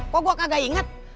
kok gua kagak inget